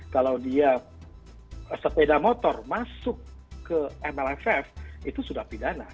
kalau dia sepeda motor masuk ke mlff itu sudah pidana